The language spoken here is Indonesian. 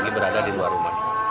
ini berada di luar rumah